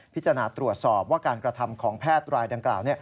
พิจารณาตรวจสอบว่าการกระทำของแพทย์รายดังกล่าว